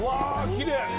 きれい！